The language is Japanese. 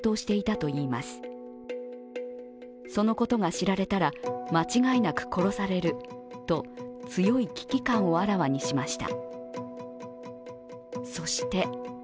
そのことが知られたら、間違いなく殺されると強い危機感をあらわにしました。